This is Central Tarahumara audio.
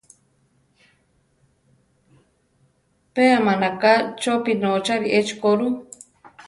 Pe amánaka chopí notzári echi ko ru.